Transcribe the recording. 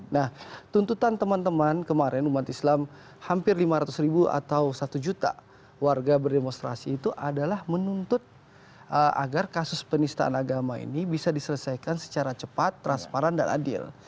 nah tuntutan teman teman kemarin umat islam hampir lima ratus ribu atau satu juta warga berdemonstrasi itu adalah menuntut agar kasus penistaan agama ini bisa diselesaikan secara cepat transparan dan adil